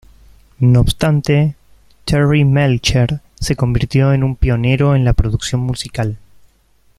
No obstante, Terry Melcher se convirtió en un pionero en la producción musical.